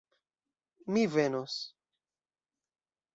Mi venos.